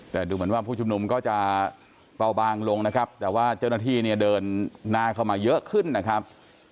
แต่ดูเหมือนว่าผู้ชุมนุมก็จะเบาบางลงนะครับแต่ว่าเจ้าหน้าที่เนี่ยเดินหน้าเข้ามาเยอะขึ้นนะครับ